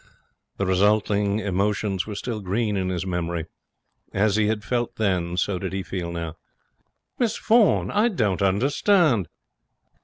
The resulting emotions were still green in his memory. As he had felt then, so did he feel now. 'Miss Vaughan! I don't understand.'